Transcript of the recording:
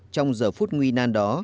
trong giờ phút nguy nan đó